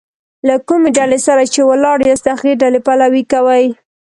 له کومي ډلي سره چي ولاړ یاست؛ د هغي ډلي پلوي کوئ!